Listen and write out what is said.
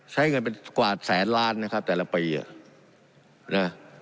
ใช้เงินเป็นกว่าแสนล้านนะครับแต่ละปีอ่ะนะ